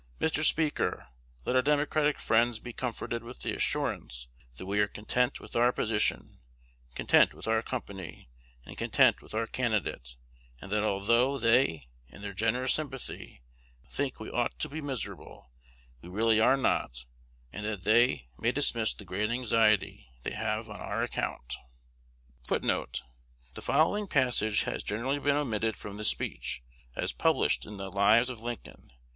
Mr. Speaker, let our Democratic friends be comforted with the assurance that we are content with our position, content with our company, and content with our candidate; and that although they, in their generous sympathy, think we ought to be miserable, we really are not, and that they may dismiss the great anxiety they have on our account.1 1 The following passage has generally been omitted from this speech, as published in the "Lives of Lincoln."